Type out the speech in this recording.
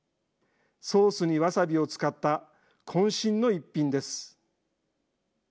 ソースにワサビを使った、こん身の逸品です。